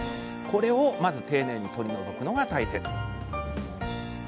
これをまず丁寧に取り除くのが大切。